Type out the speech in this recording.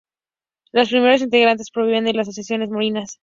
Las primeras integrantes provenían de las asociaciones marianas.